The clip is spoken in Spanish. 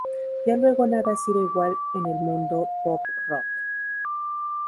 Ya luego nada ha sido igual en el mundo pop-rock.